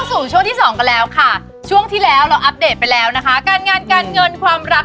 สู่ช่วงที่สองกันแล้วค่ะช่วงที่แล้วเราอัปเดตไปแล้วนะคะการงานการเงินความรัก